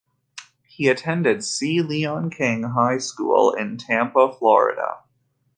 He attended C. Leon King High School in Tampa, Florida.